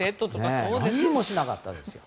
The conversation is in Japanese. でも何もしなかったんですよ。